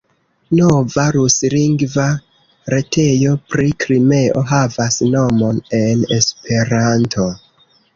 Nova ruslingva retejo pri Krimeo havas nomon en Esperanto.